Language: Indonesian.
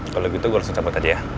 kalau gitu gue langsung cabut aja ya